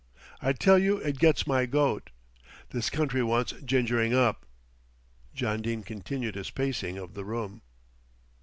I tell you it gets my goat. This country wants gingering up." John Dene continued his pacing of the room.